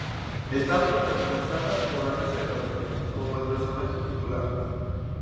Está protagonizada por Ana Serradilla como el personaje titular.